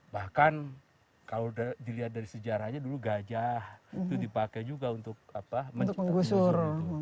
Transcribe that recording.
bahkan kalau dilihat dari sejarahnya dulu gajah itu dipakai juga untuk menciptakan